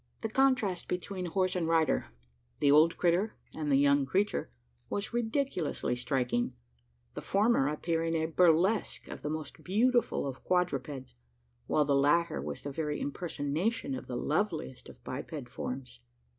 The contrast between horse and rider the old critter and the young creature was ridiculously striking: the former appearing a burlesque on the most beautiful of quadrupeds, while the latter was the very impersonation of the loveliest of biped forms.